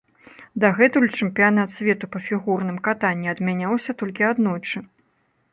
Дагэтуль чэмпіянат свету па фігурным катанні адмяняўся толькі аднойчы.